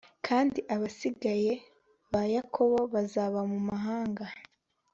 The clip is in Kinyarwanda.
Kandi abasigaye ba Yakobo bazaba mu mahanga